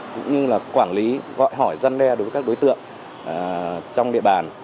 cũng như là quản lý gọi hỏi dân đe đối với các đối tượng trong địa bàn